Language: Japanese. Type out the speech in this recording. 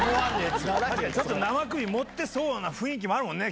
ちょっと生首持ってそうな雰囲気もあるもんね。